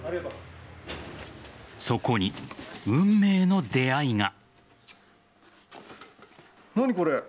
そこに運命の出会いが。